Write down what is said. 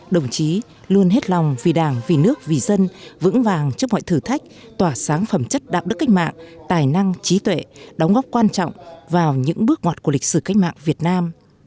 đồng chí luôn hết lòng vì đảng vì nước vì dân vững vàng trước mọi thử thách tỏa sáng phẩm chất đạo đức cách mạng tài năng trí tuệ đóng góp quan trọng vào những bước ngoặt của lịch sử cách mạng việt nam